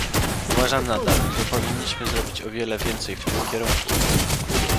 Uważam nadal, że powinniśmy zrobić o wiele więcej w tym kierunku